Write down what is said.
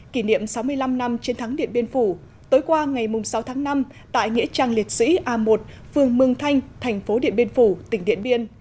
kỷ niệm sáu mươi năm năm chiến thắng điện biên phủ tối qua ngày sáu tháng năm tại nghĩa trang liệt sĩ a một phường mương thanh thành phố điện biên phủ tỉnh điện biên